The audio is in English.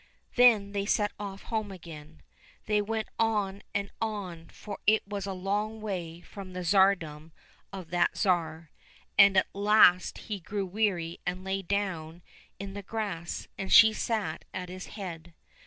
Then they set off home again. They went on and on, for it was a long way from the tsardom of that Tsar, and at last he grew weary and lay down in the grass, and she sat at his head.